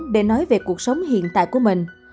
để nói về cuộc sống hiện tại của mình